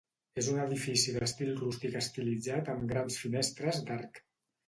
És un edifici d'estil rústic estilitzat amb grans finestres d'arc.